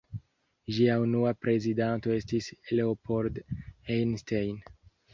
Ĝia unua prezidanto estis Leopold Einstein.